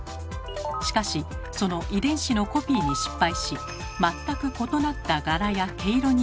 しかしその遺伝子のコピーに失敗し全く異なった柄や毛色になってしまう。